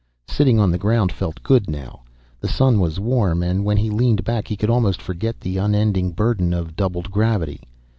Sitting on the ground felt good now. The sun was warm and when he leaned back he could almost forget the unending burden of doubled gravity.